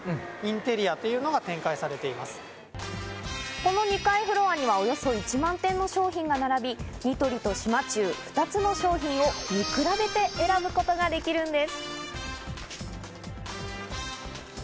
この２階フロアにはおよそ１万点の商品が並び、ニトリと島忠、２つの商品を見比べて選ぶことができるんです。